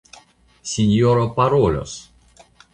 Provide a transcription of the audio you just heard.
Sinjoro parolos!